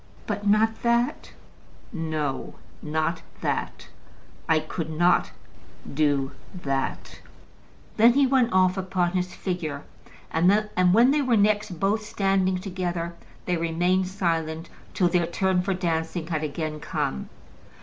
"But not that?" "No; not that. I could not do that." Then he went off upon his figure, and when they were next both standing together, they remained silent till their turn for dancing had again come.